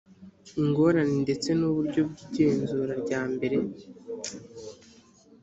ingorane ndetse n uburyo bw igenzura ryambere